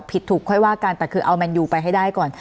ถูกค่อยว่ากันแต่คือเอาแมนยูไปให้ได้ก่อน